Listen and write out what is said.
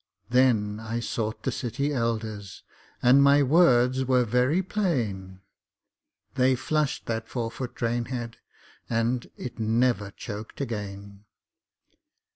Then I sought the City Elders, and my words were very plain. They flushed that four foot drain head and it never choked again.